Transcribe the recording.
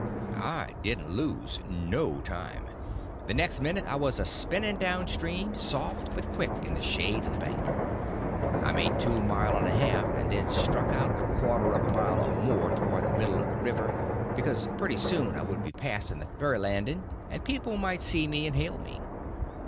I didn't lose no time. The next minute I was a spinning down stream soft but quick in the shade of the bank. I made two mile and a half, and then struck out a quarter of a mile or more towards the middle of the river, because pretty soon I would be passing the ferry landing, and people might see me and hail me.